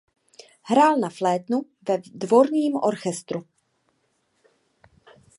Hrál na flétnu ve dvorním orchestru.